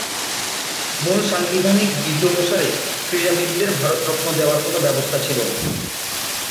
মূল সাংবিধানিক বিধি অনুসারে, ক্রীড়াবিদদের ভারতরত্ন দেওয়ার কোনো ব্যবস্থা ছিল না।